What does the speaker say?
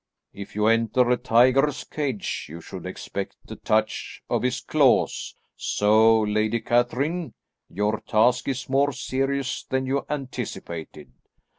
"If you enter a tiger's cage you should expect a touch of his claws, so, Lady Catherine, your task is more serious than you anticipated.